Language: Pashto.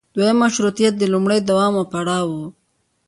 دویم مشروطیت د لومړي دوام او پړاو و.